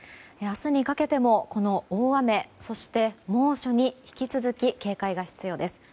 明日にかけてもこの大雨そして猛暑に引き続き警戒が必要です。